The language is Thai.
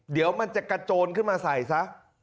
เดี๋ยวมันจะกระโจนขึ้นมาใส่ซะ